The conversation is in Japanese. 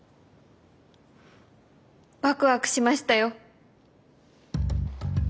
ワクワクしましたよ。